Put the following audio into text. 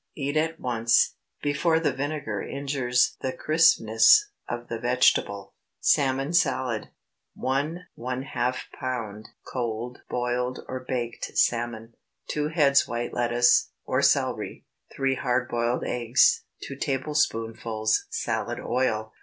Eat at once, before the vinegar injures the crispness of the vegetable. SALMON SALAD. ✠ 1½ lb. cold boiled or baked salmon. 2 heads white lettuce (or celery). 3 hard boiled eggs. 2 tablespoonfuls salad oil.